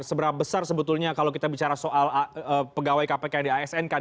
seberapa besar sebetulnya kalau kita bicara soal pegawai kpk yang diasn kan